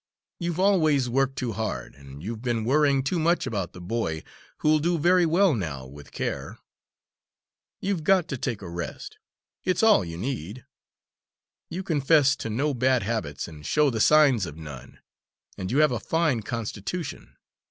You've always worked too hard, and you've been worrying too much about the boy, who'll do very well now, with care. You've got to take a rest it's all you need. You confess to no bad habits, and show the signs of none; and you have a fine constitution.